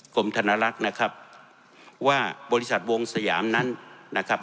ธนลักษณ์นะครับว่าบริษัทวงสยามนั้นนะครับ